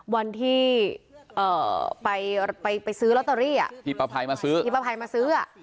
วันที่ไปซื้อลอตเตอรี่อ่ะพี่ประภัยมาซื้อ